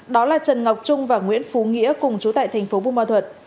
đó là trần ngọc trung và nguyễn phú nghĩa cùng chú tại thành phố bù ma thuật